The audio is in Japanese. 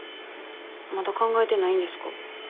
まだ考えてないんですか？